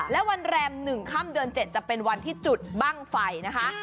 และวันแรม๑ค่ำเดือน๗จะเป็นวันที่จุดบ้างไฟนะคะ